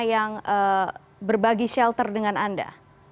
yang berbagi shelter dengan anda